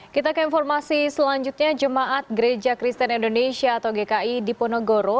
kita ke informasi selanjutnya jemaat gereja kristen indonesia atau gki di ponegoro